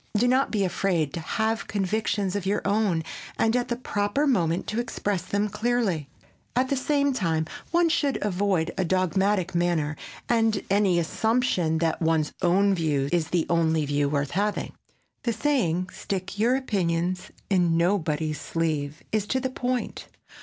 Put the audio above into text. Do not be afraid to have convictions of your own and at the proper moment to express them clearly. At the same time, one should avoid a dogmatic manner and any assumption that one's own view is the only view worth having. The saying "Stick your opinions in nobody's sleeve" is to the point.